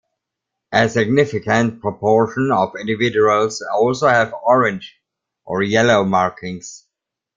A significant proportion of individuals also have orange or yellow markings.